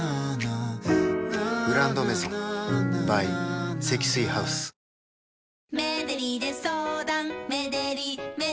「グランドメゾン」ｂｙ 積水ハウス復活！